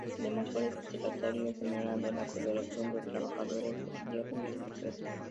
Además fue Secretario General de la Federación de Trabajadores del Hierro y el Acero.